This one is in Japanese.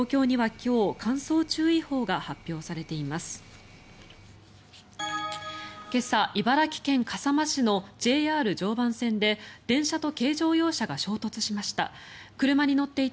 今朝、茨城県笠間市のＪＲ常磐線で電車と軽乗用車が衝突しました。